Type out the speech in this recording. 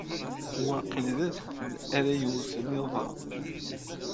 Waqil d adfel ara iwten iḍ-a.